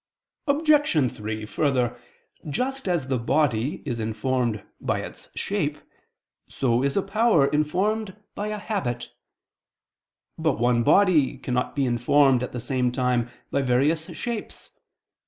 Obj. 3: Further, just as the body is informed by its shape, so is a power informed by a habit. But one body cannot be informed at the same time by various shapes.